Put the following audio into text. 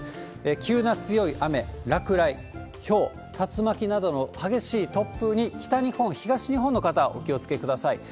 急な強い雨、落雷、ひょう、竜巻などの激しい突風に北日本、東日本の方、お気をつけください。